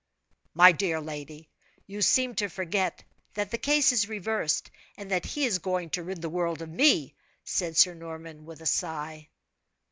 "My dear lady, you seem to forget that the case is reversed, and that he is going to rid the world of me," said Sir Norman, with a sigh.